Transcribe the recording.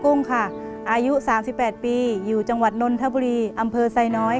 รายการต่อไปนี้เป็นรายการทั่วไปสามารถรับชมได้ทุกวัย